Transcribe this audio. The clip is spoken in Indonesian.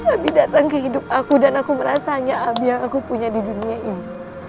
abi datang ke hidup aku dan aku merasa hanya abi yang aku punya di dunia ini